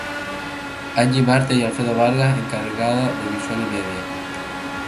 Angie Marte Y Alfredo Vargas encargada de visual y media.